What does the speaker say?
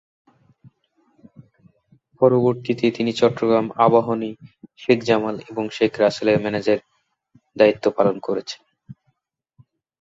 পরবর্তীতে তিনি চট্টগ্রাম আবাহনী, শেখ জামাল এবং শেখ রাসেলের ম্যানেজারের দায়িত্ব পালন করেছেন।